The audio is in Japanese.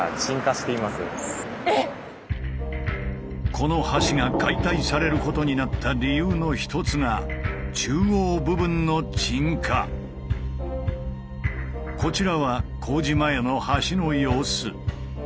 この橋が解体されることになった理由の一つがこちらは工事前の橋の様子。